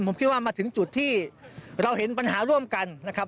ผมคิดว่ามาถึงจุดที่เราเห็นปัญหาร่วมกันนะครับ